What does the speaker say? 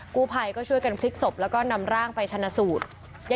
กู้ภัยก็ช่วยกันพลิกศพแล้วก็นำร่างไปชนะสูตร